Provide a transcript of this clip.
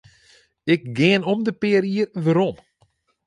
Ik gean om de pear jier werom.